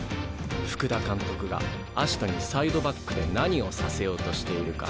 福田監督がアシトにサイドバックで何をさせようとしているか。